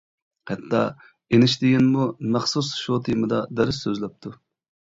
، ھەتتا ئېينىشتىيىنمۇ مەخسۇس شۇ تېمىدا دەرس سۆزلەپتۇ.